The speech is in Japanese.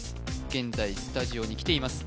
現在スタジオに来ています